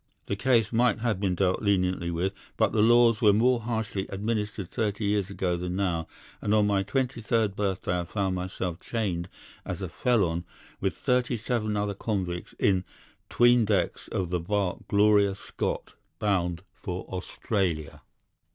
The case might have been dealt leniently with, but the laws were more harshly administered thirty years ago than now, and on my twenty third birthday I found myself chained as a felon with thirty seven other convicts in 'tween decks of the barque Gloria Scott, bound for Australia.